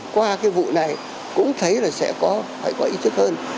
qua cái vụ này cũng thấy là sẽ có phải có ý thức hơn